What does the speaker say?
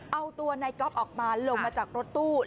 เอาตัวนายก๊อฟออกมาลงมาจากรถตู้